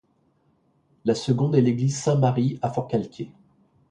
La seconde est l’église Saint-Mari à Forcalquier.